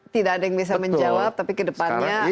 tidak ada yang bisa menjawab tapi ke depannya